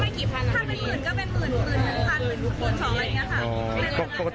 หมื่นพันหมื่นสองอะไรอย่างนี้ค่ะ